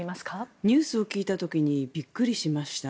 ニュースを見た時にびっくりしました。